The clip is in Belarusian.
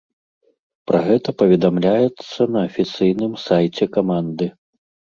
Пра гэта паведамляецца на афіцыйным сайце каманды.